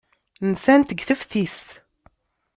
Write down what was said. Nsant deg teftist.